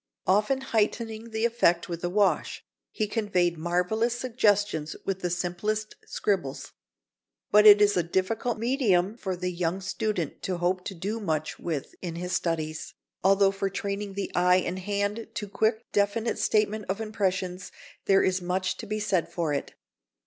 Often heightening the effect with a wash, he conveyed marvellous suggestions with the simplest scribbles. But it is a difficult medium for the young student to hope to do much with in his studies, although for training the eye and hand to quick definite statement of impressions, there is much to be said for it.